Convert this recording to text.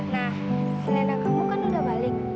nah nenek kamu kan udah balik